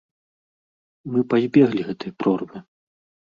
Мы пазбеглі гэтай прорвы.